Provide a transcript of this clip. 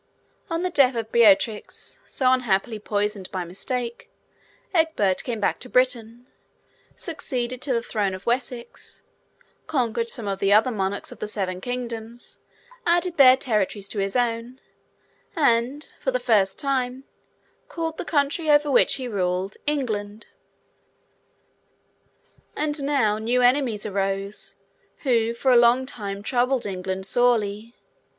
On the death of Beortric, so unhappily poisoned by mistake, Egbert came back to Britain; succeeded to the throne of Wessex; conquered some of the other monarchs of the seven kingdoms; added their territories to his own; and, for the first time, called the country over which he ruled, England. And now, new enemies arose, who, for a long time, troubled England sorely.